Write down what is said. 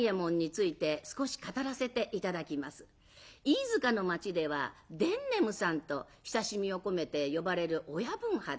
飯塚の町では「伝ねむさん」と親しみを込めて呼ばれる親分肌。